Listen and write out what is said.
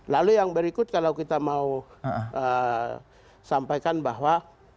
lalu yang berikut kalau kita mau sampaikan bahwa